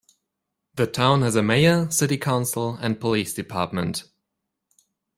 The town has a mayor, city council and police department.